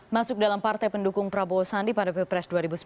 masuk dalam partai pendukung prabowo sandi pada pilpres dua ribu sembilan belas